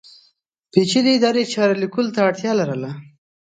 پېچلې ادارې چارې لیکلو ته اړتیا لرله.